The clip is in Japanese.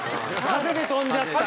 風で飛んじゃった？